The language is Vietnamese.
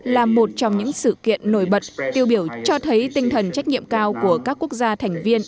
là một trong những sự kiện nổi bật tiêu biểu cho thấy tinh thần trách nhiệm cao của các quốc gia thành viên